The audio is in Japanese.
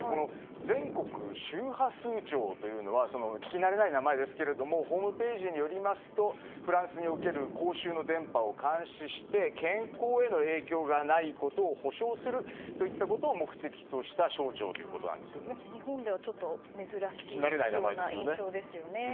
全国周波数庁というのは聞き慣れない名前ですがホームページによりますとフランスにおける公衆の電波を監視して健康への影響がないことを保証するといったことを日本では珍しいような印象ですよね。